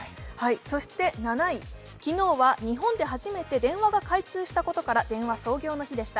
そして７位、昨日は日本で初めて電話が開通したことから電話創業の日でした。